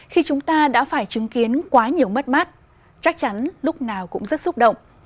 khi chúng ta đã phải chứng kiến quá nhiều mất mát chắc chắn lúc nào cũng rất xúc động